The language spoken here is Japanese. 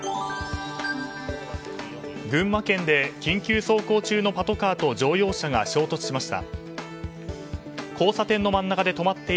群馬県で緊急走行中のパトカーと乗用車が衝突しました。